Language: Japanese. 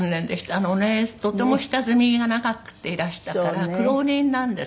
あのねとても下積みが長くていらしたから苦労人なんですよね。